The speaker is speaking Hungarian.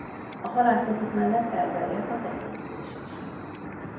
A halászatuk mellett elterjedt a tenyésztés is.